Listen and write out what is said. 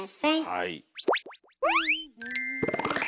はい。